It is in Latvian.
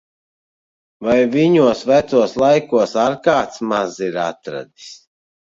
Vai viņos vecos laikos ar kāds maz ir atradis!